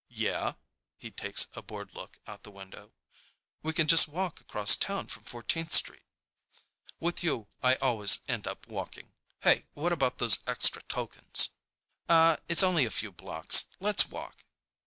"Yeah?" He takes a bored look out the window. "We can just walk across town from Fourteenth Street." "With you I always end up walking. Hey, what about those extra tokens?" "Aw, it's only a few blocks. Let's walk."